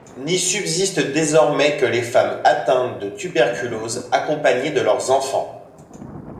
N'y subsistent désormais que les femmes atteintes de tuberculose accompagnées de leurs enfants.